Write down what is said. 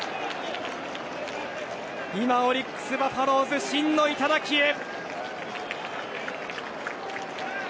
今、オリックス・バファローズ真の頂へ。